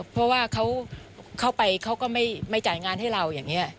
เพราะว่าเขาเข้าไปเขาก็ไม่จ่ายงานให้เราอย่างนี้